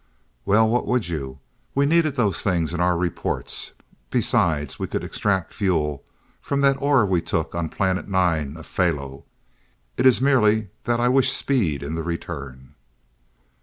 "Well, what would you? We needed those things in our reports. Besides, we could extract fuel from that ore we took on at Planet Nine of Phahlo. It is merely that I wish speed in the return."